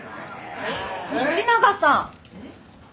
道永さん！？